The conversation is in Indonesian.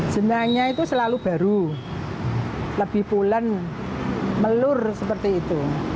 jenangnya itu selalu baru lebih pulen melur seperti itu